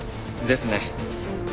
ですね。